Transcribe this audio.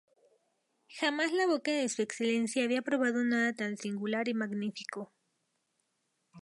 Jamás la boca de su Excelencia había probado nada tan singular y magnífico.